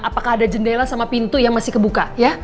apakah ada jendela sama pintu yang masih kebuka